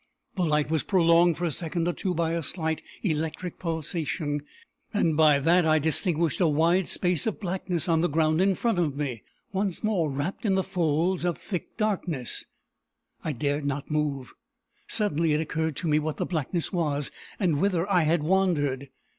The light was prolonged for a second or two by a slight electric pulsation; and by that I distinguished a wide space of blackness on the ground in front of me. Once more wrapped in the folds of a thick darkness, I dared not move. Suddenly it occurred to me what the blackness was, and whither I had wandered.